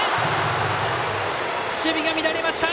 守備が乱れました。